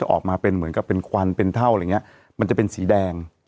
ออกมาเป็นเหมือนกับเป็นควันเป็นเท่าอะไรอย่างเงี้ยมันจะเป็นสีแดง